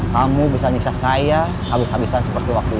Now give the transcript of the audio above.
kamu bisa nyiksa saya habis habisan seperti waktu itu